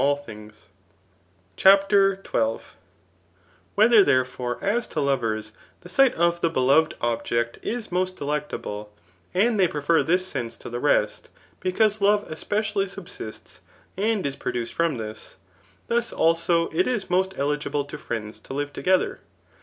Digitized by Google S64 THB NICOIf ACHSAK BOOK IZ# CHAPTER IIL Whether, therefore, as to lovers the sight of the Moved object is most delectable, and they prefer this sense to the rest, because love especially subsists and b produced firom this, thus also, it is most eligible to friends to live together?